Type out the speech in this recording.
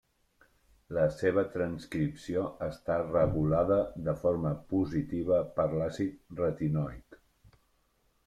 La seva transcripció està regulada de forma positiva per l'àcid retinoic.